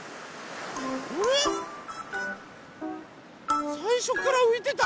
あれっ⁉さいしょからういてた？